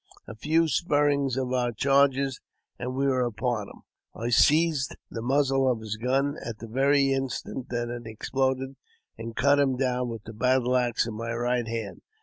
A few spurrings of our chargers, and we were upon him. I seized the muzzle of his gun at the very instant that it exploded, and cut him down with the battle axe in my right hand.